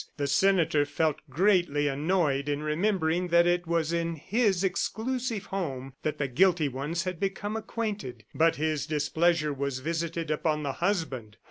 The senator felt greatly annoyed in remembering that it was in his exclusive home that the guilty ones had become acquainted; but his displeasure was visited upon the husband.